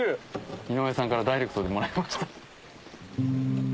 井上さんからダイレクトでもらいました。